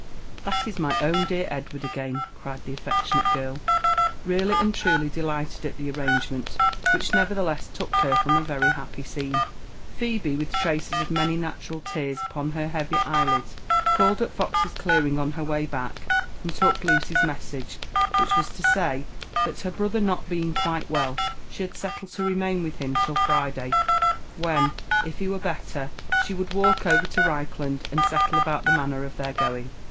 "That is my own dear Edward again!" cried the affeclionale girl, really and truly delighted at the arrangement, which nevertheless took her from a very happy scene. Phebe, with traces of many "natural tears" upon her heavy eyelids, called at Fox's c'*aring on her way back, and took Lucy's message, which was to say, (hat her brother not being quite well, she had settled to remain with him till Friday, when, if he were better, she would walk over to Reichland and settle about the manner of their going.